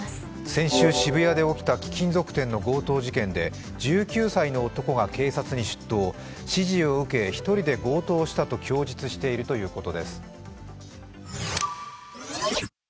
先週、渋谷で起きた貴金属店の強盗事件で１９歳の男が警察に出頭、指示を受け、１人で強盗したと供述しているということです。